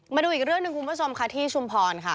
มาดูอีกเรื่องหนึ่งคุณผู้ชมค่ะที่ชุมพรค่ะ